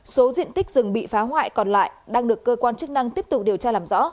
số diện tích rừng bị phá hoại còn lại đang được cơ quan chức năng tiếp tục điều tra làm rõ